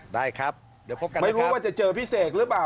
ได้ครับเดี๋ยวพบกันไม่รู้ว่าจะเจอพี่เสกหรือเปล่า